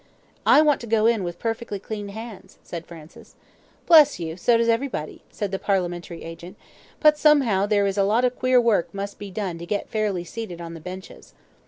"I want to go in with perfectly clean hands," said Francis. "Bless you, so does everybody," said the parliamentary agent; "but somehow there is a lot of queer work must be done to get fairly seated on the benches."